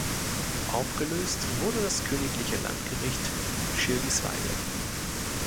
Aufgelöst wurde das Königliche Landgericht Schirgiswalde.